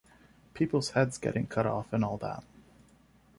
People's heads getting cut off, and all that.